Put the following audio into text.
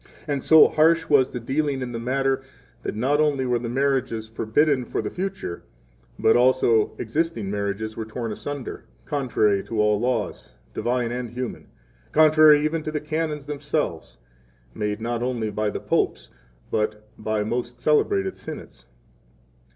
13 And so harsh was the dealing in the matter that not only were marriages forbidden for the future, but also existing marriages were torn asunder, contrary to all laws, divine and human, contrary even to the Canons themselves, made not only by the Popes, but by most celebrated Synods.